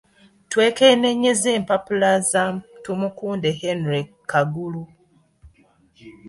Twekenneenyezza empapula za Tumukunde Henry Kakulugu.